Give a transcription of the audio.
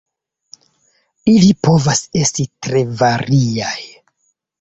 Ili povas estis tre variaj.